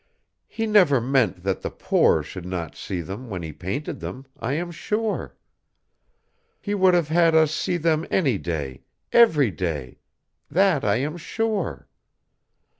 He never meant that the poor should not see them when he painted them, I am sure. He would have had us see them any day, every day: that I am sure.